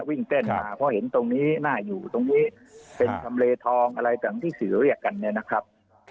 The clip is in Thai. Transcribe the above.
วิ่งเต้นมาเพราะเห็นตรงนี้น่าอยู่ตรงนี้เป็นทำเลทองอะไรต่างที่สื่อเรียกกันเนี่ยนะครับ